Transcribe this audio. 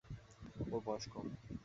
ওর বয়স কম।